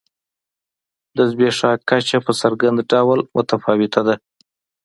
د زبېښاک کچه په څرګند ډول متفاوته ده.